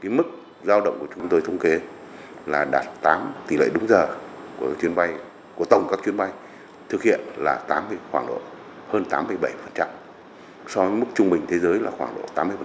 cái mức giao động của chúng tôi thống kế là đạt tám tỷ lệ đúng giờ của chuyến bay của tổng các chuyến bay thực hiện là tám khoảng độ hơn tám bảy so với mức trung bình thế giới là khoảng độ tám mươi